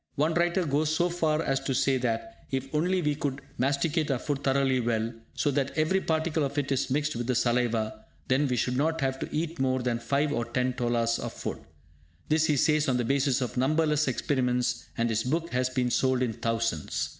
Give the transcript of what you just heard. One writer goes so far as to say that, if only we would masticate our food thoroughly well, so that every particle of it is mixed with the saliva, then we should not have to eat more than five or ten tolas of food. This he says on the basis of numberless experiments, and his book has been sold in thousands.